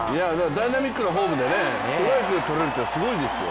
ダイナミックなフォームでストライク取れるってすごいですよ。